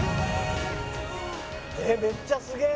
「えっめっちゃすげえ！」